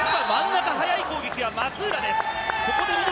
真ん中、速い攻撃は松浦で。